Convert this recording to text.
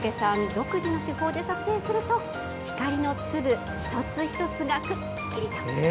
独自の手法で撮影すると光の粒一つ一つが、くっきりと。